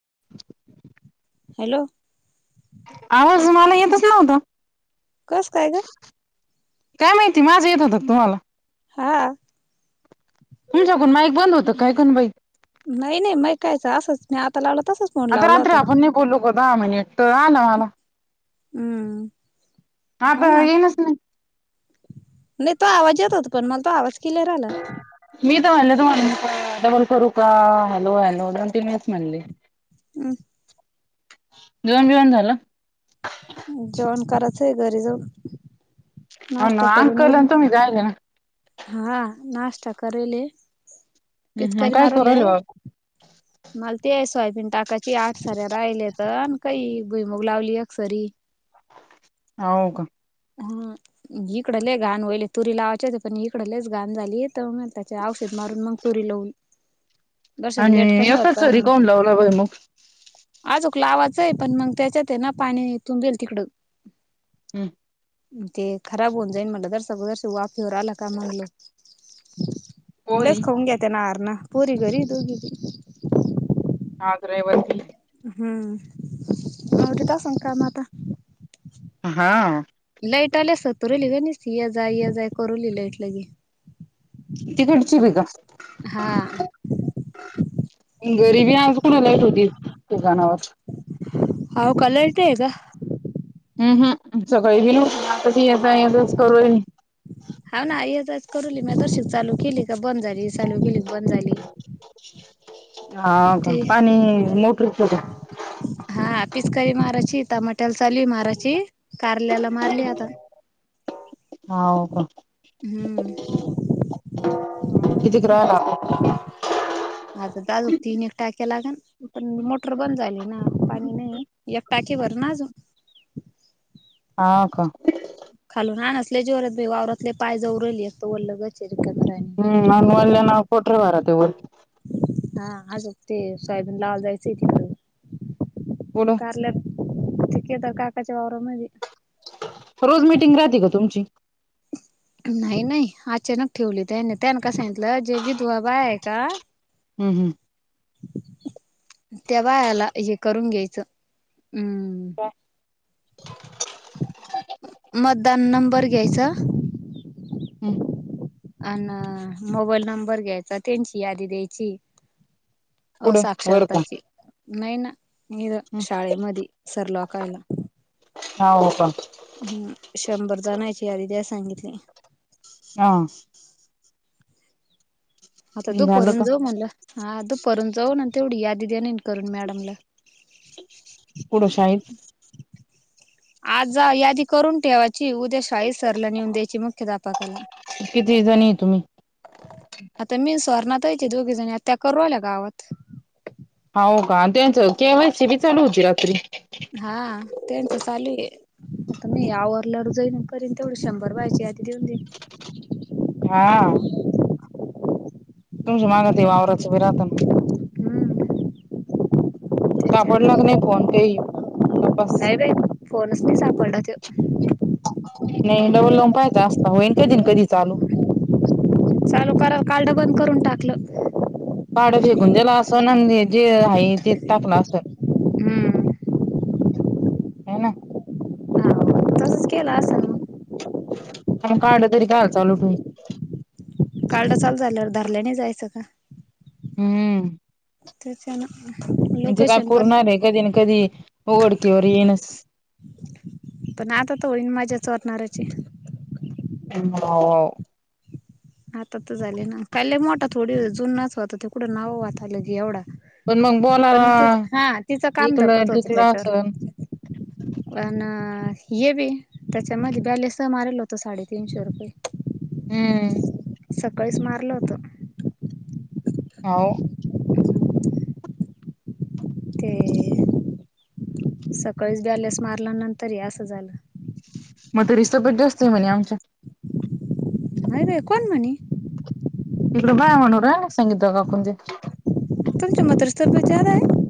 [inaudible] Hello! आवाज तुम्हाला येतच नव्हता कस काय ग? काय माहिती, माझं येत होतका तुम्हाला? हा! तुमच्याकून माईक बंद होतं काय कौन बाई? नाही, नाही माइक कायचं, असंच मी आता लावल आता रात्री आपण नाही बोललोकां दहा मिनिट त आलं माला हम्म आता येईनच ना ते. नही तुवा आवाज येत होत पण मला तुवा आवाज किलेर आला. मी त म्हणले तुम्हाला डबल करू का, हॅलो, हॅलो दोन तीन वेळेस म्हणले. हम्म, जेवण बिवन झालं? जेवण कराचं आहे घरी जाऊन हो नाष्टा ना करून अंकल येल हे, आणि तुम्ही राहिले ना हा नाष्टा करेल हे. हम्म, हम्म. पिचकारी काय करू मारुले राहिले बाबा माल ते सोयाबीन टाकायची आठ सऱ्या राहेल है त, कई भुईमुग लावली एक सरी अ हो का! हा इकड लयी घाण होयेल ये, तुरी लावाच्यात पण इकड लयीचं घाण झालीत. त म्हणतात ते औषध मारून मंग तुरी लावू आणि एकच सरी काहून लावला भुईमूग? आजुक लावाचं हे, पण मग त्याच्यात हे ना पाणी तुंबेल तिकडं. हूं! ते खराब होऊन जाईन म्हनलं, जरस, जरस वाफेवर आलं का मंग लाऊ पोरी लयीचं खाऊन घेत्या ना हरण पोरी घरी दोघी बी आगरेवती [unintelligible] हा! लाईट आल्या सतरुली वे नीसती ये जाय, ये जाय, करूली लाईट लगे तिकडची बि का? हा! घरीबी आज [unintelligible] कुणालाईट होती दुकानावर. हाऊका लाईट येका? हूं हूं सकाळी गेल होतो, आता येता येतच करू राहिली करुली म्या दर्शी चालू केली का बंद झाली, चालू केेली बंद झाली. हा का ते पाणी मोटरिच का? हा! हा पिचकरी माराची तमाट्याला चालूय माराची, कारल्याला मारली आता हाव का! हम्म. कितीक राहंल आता? आता त आजू तीन एक टाक्या लागन, पण मोटर बंद झाली ना पाणी नाही एक टाकीभर नाजु हा का! लयी जीवरात वावरात लई पाय जवूरलीत एकत वल्लगच हे. हं आनवल ना पोटरे भरात हे ओल हा आजुक ते सोयाबीन लावला जायच तिकड कुठं कारला ठीक हे आता काकाच्या वावरामधी रोज मिटिंग राहते कां तुमची? नाही, नाही अचानक ठेवली त्यानी, त्यान का सांगितलं जे विधवाबाया आहे का? हूं हूं! तेव्हा ह्याला हे करून घ्यायचं हम्म का? बर घ्यायचा. हम्म. आ न मोबाईल नंबर घ्यायचा त्यांची यादी द्यायची. हो कुठं वर का साक्षरताची. नाही ना, इध शाळेमधी सर लोकायला. हा हो का. हम्म शंभर जणांची यादी द्या सांगितली हा. आता झालं दुपारूत का जाऊ म्हणल आ दुपारून जाऊ न तेवढी यादी देणहे. कुढ शाळेत. आज जा यादी करून ठेवाय ची उद्या शाई सरला नेऊन द्यायची मुख्याध्यापकाला. किती जणी आहे तुम्ही आता मी सुवर्णा ताई चे दोघे जणी त्या करल्या गावात. हव का त्यांचं केवाय सी बी चालू होती रात्री हा त्यांचं चालू आहे आता मी यावर लढ जाईन करीन तेवढं शंभर वह्यांची आधी देऊन देईन. हा. तुमच्या माग ते वावराच बी राहतन हम्म सापडला क नाही फोन काही? तपास नाहीय बा फोनच नाही सापडला त्यो. नाही डबल लंपाय जास्त होईन कधी, कधी चालू चालू करा कालड बंद करून टाकलं. पाड फेकून दिला असून आणि जे आहे ते टाकन आसल. हम्म. ह ना. तस केला अस ना, हम्म कार्ड तरी कह्याल चालू करू कार्ड चालू झाल्यावर धरल्या नाही जायचं का? हम्म. तेचान आहे ना, [unintelligible] म्हणजे काय पुरणार आहे कधी ना, कधी घडकीवर येनस. पण आता थोडी मजाच वाटणार्याची हो. आता तर झाले ना, कायल मोठा थोडी जुनाच होता तेिकडं नाव वात आलं के एवढा. पण मग [unintelligible] बोलायला परण हा तिचं काम इकलं धकत होत टिकलं त्याच्यावर. असन अनार [unintelligible] हे. त्याच्या मधी बॅलेन्स मारल होत साडेतीनशे रुपये. हम्म. सकाळीच मारल होत. हाव. ते सकाळीच बॅलेन्स. मारल्या नंतर ये असं झालं. मग त रिस्त पट जास्त आहे म्हणे आमच्या. [unintelligible] नाहीय रे कोण म्हणी? संगीता काकुंते तुमच्या म्हातारीची तब्येत ज्यादा. आहे.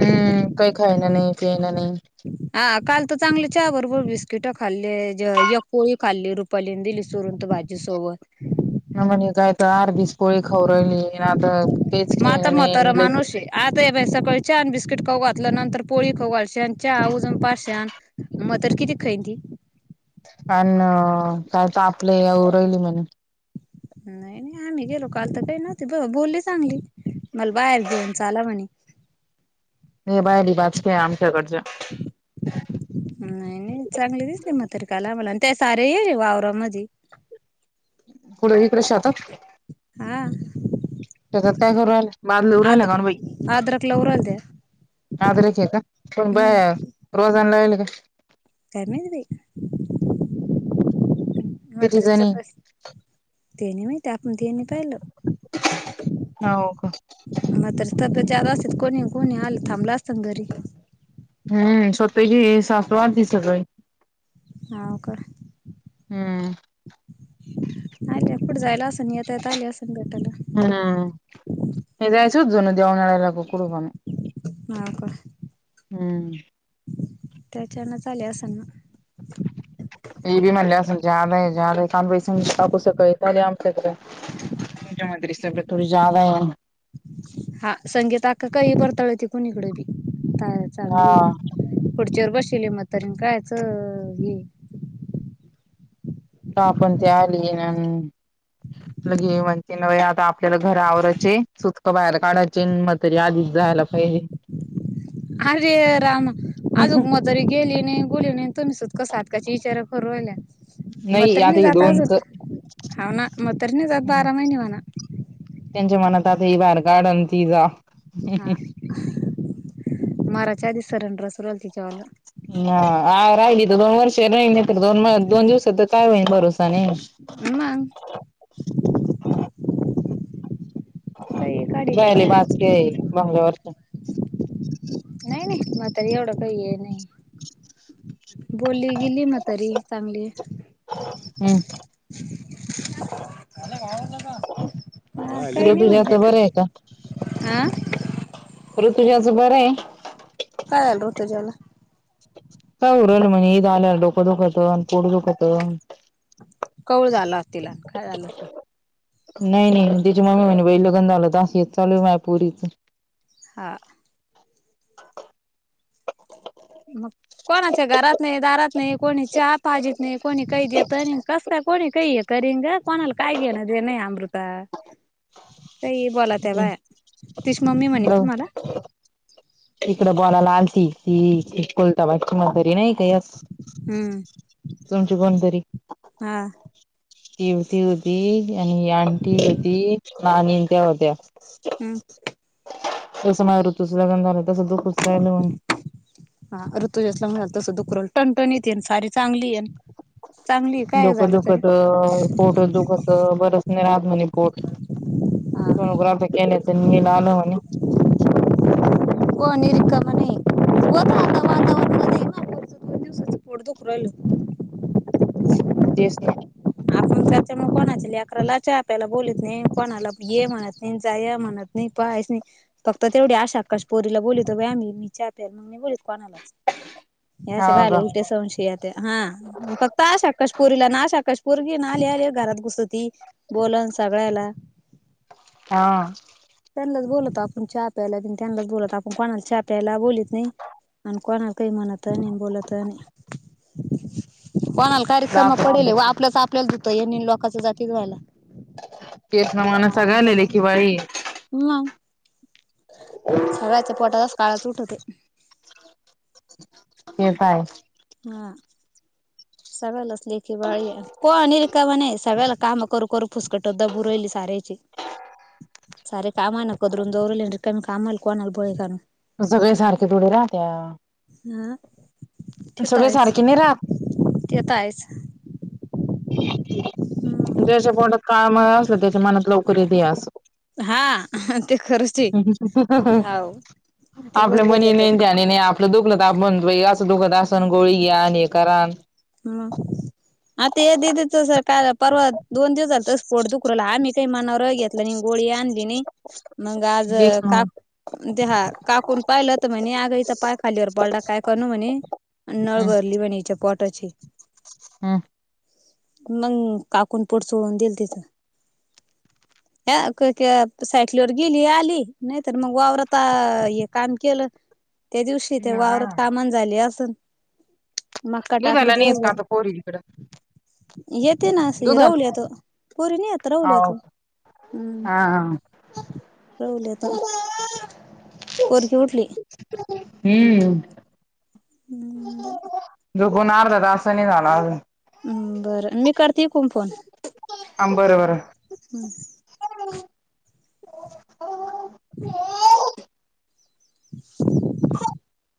हम्म काही खाय ना, नाही पिय ना, नाही. काल तर चांगले चहा बरोबर बिस्किट खाल्ले ज एक पोळी खाल्ली रु पलीन दिली चोरून त भाजी सोबत. काय तर म्हणे अर्धीच पोळी खाऊन राहिली [unintelligible] म आता खेळणं म्हातार नाही माणूस हे आता हे बई सकाळी छान बिस्कीट खाऊ घातले नंतर पोळी ख घलशन हा उजून पाश्यान मग त किती खईन ती. पण काय तर आपले उरहिली म्हणे [unintelligible] नाही आम्ही गेलो काल तर काही नव्हती बोलली चांगली मला बाहेर घेऊन चाला म्हणे हे बाय रिवाज के आमच्या गर्जा [unintelligible] नाही नाही चांगले दिसते म्हातारी आला मला ते ते सगळे आलेले आहे वावरामध्ये पुढे इकडे शेतात. हा. त्यासत काय करू रा बादला राहिला आद्र काण बाई आद्रक लावू राहिल्या [unintelligible] आलं आहे का कोण बाया हम्म रोजाने लावले आहेत का काय माहिती बया किती मात्रच्या जणी तेन म [unintelligible] ते आपणनी पाहिलं हो का आ तर तबेत. [unintelligible] जाात असतात कोणी कोणी आले थांबलं असताना घरी [unintelligible] हम्म. तिची सासू आली होती सकाळी हाव का आले पुठे जायला असन येता यता आले असन भेटाला. [unintelligible] तू जणू दे्यान आणळायला ब. [unintelligible] ह का. हम्म. त्याच्या न आले असेल. जा्याद जाद आहे स बेशू सकताले आम सकडे [unintelligible] स थोडी ज्यादा आहे. [unintelligible] संगीता आता काही बर बरमती चांगली हा हे पुढच्या. बसले म त कायच हे [unintelligible] का आपण त्या आली ना [unintelligible] लगे म्हणजे न आता आपल्याला घरा आवररायचे सुटकां बाहेर काढायचे मतरी आधीच [unintelligible] जायला पाहिजे. अरे राम अजून म्हातारी गेली नाही काय नाही. तुम् सुतका सातकाच्या विचारा फरवल्या मग त आता नाही हे जाता अजून. दोनच [unintelligible] हो ना म्हातारी नाही जात अजून बारा महिने म्हणा त्यांच्या मनात आता ही बाार काढल ति जा हा माराच्या आधी स रेंडर सुरल तिच्यावालं हा राहिली दोन वर्ष नाही नाही तर दोन दोन दिवसात तर काय होई भरोसा नाही. हम. वहिले वाचली आहे बगल्यावरच. नाही नाही म त एवढं काही आहे नाही बोली गेली म तरी चांगली हम्म का नाही ऋतुजाच म्हणलं का बरं आहे आ. अरऋ तुझ्याचं बर आहे. कत जाला. काय उरल म्हणजे ईद आल्या डोकं दुखत पुोढं दुखत कवळ झाला तिला काय झालं अस. नाही नाही दज ममी मन बे लोगंधाला दस चलू म पूरीच हा. मग कोणाच्या घरात नाही दारात नाही कोणी चहा पाजीत नाही कोणी कही देत आणि कस काय कोणी काही करीन ग कोणाला काय घेणं देणं हाय अमृता काही बोलातव्हा पोरीच. तिची मम्मी म्हणे तुम्हाला इकडं बॉलाला अलती की कुलता बाद कुणी तरी नाही काय अस हम्म तुमची बंदरी हा शिवती होती आणि आंटी होती नानी त्या होत्या हम्म तस माया ऋतूच लग्न झाल हा ऋतूजाच लग्न झालं [unintelligible] टनटणीत ये सारी चांगली याय डोक दुखत पोट दुखत बरच नाही रात म्हणे पोट हा सोनोग्राफी केले पण मी नान म्हणे को निरिकवणे [unintelligible] पोट दुखू राहील तेच नाही आपण त्याच्या मग कोणाच्या लेकराला च्या प्यायला बोलत नाही कोणाला ये म्हणत नाही जा या म्हणत नाही पायच नाही फक्त तेवढी आशा आकाश पोरीला बोलतोय आम् मी चा प्यार मग म बोलतो कोणालाच हेे आशा हा बायाले ग संशय येतय हा फक्त आशाकाशपूरीला नाशाकाशपूर गी ना आल्या आल्या घरात घुसती बोलन सगळ्याला हा त्यांनाच बोलत आपण च्या प्यायला त्यांनाच बोलत आपण कोणाला हा प्यायला बोलत नाही आणि कोणाला काही म्हणत नाही बोलत नाही - कोणाला कारक्रमा राहत पडेल आपलंच आपल्यात यांनी लोकांचं जाती धुवायला तेच ना माणसं सगळ्यालेले की [unintelligible] बाई नाई सगळ्याच्या पोटातच काळाच उठते ते काय हा सगळलच लेखी बळी कोणी - का म्हणे सगळला काम करू करू फुसकटो द बरहिली सारयची सारे काम नाकोद्र उंदवरल र का कामल कोण अल बोळ कान - सगळे सारखे पुढ राहत्या हा. सगळ सारखे न राहत तेत आहेच म अस त्याच्या मनात लवकर द अस हा ते खरच ते हवं आपल्या मणी नाही आणि ध्यानी नाही आपलं दुखलं त बई अस दुखदासन गोळी घ्या आणि हे करां हा आता या दीदी च स पाय ना पर्वा दोन दिवस झाल तर स्फोट दुखरला आमी काही मनावर घेतला नाही गोळी आणली नाही मग आज जेच मग काक देहा काकुन पाहिलं तर म्हणे आग हीचा पाय खालीवर पडला काय करण म्हणे नळ गरली पण याच्या पोट हम् मग काकून पोट चोळून देईल तचं [inaudible] अ काय की क साईकलीवर गेली आली नाहीतर मग वावरता हे काम केलं - त्या दिवशी ते हम्म हा वावरात कामान झाली असून मगका ला नाही टाक का नई येत पोरी इकड येते ना अस राहुल येतो पुरी नाही येत राहुल हो येतो हा रवले येत हा पोरगी उठली [inaudible] हम्म हम्म दुकुन अर्धा तास ही असं नाही झाला अजून हम् बरं मी करते खूम फोन आं बरं हम हो. [unintelligible] [unintelligible] [unintelligible]